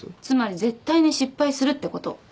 つまり絶対に失敗するってこと。